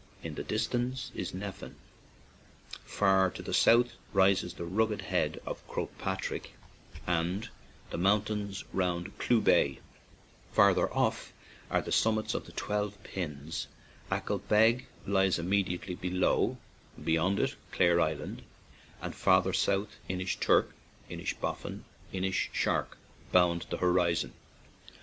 In the distance is Nephin; far to the south rises the rugged head of Croagh Patrick and the moun tains round Clew Bay; farther off are the summits of the Twelve Pins; Achill Beg lies immediately below; beyond it, Clare Island, and farther south Inish turk, Inishbofin, and Inishshark bound 88 ACHILL ISLAND the horizon.